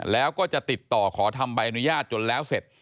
แล้วก็จะติดต่อขอทำใบอนุญาตจนแล้วเสร็จ